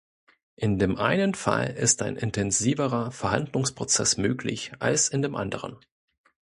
In dem einen Fall ist ein intensiverer Verhandlungsprozess möglich als in dem anderen.